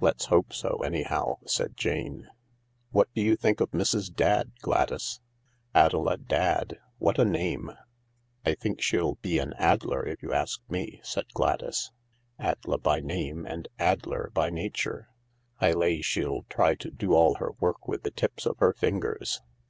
"Let's hope so, anyhow," said Jane. "What do you think of Mrs. Dadd, Gladys ? Adela Dadd ! What a name I "" I think she'll be an addler, if you ask me," said Gladys. " Ad 'la by name and addler by nature. I lay she'll try to do all her work with the tips of her fingers.